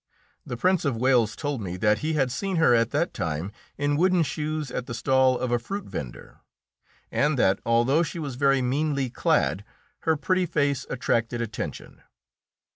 The Prince of Wales told me that he had seen her at that time in wooden shoes at the stall of a fruit vender, and that, although she was very meanly clad, her pretty face attracted attention.